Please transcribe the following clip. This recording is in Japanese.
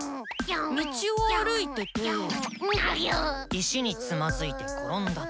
石につまずいて転んだと。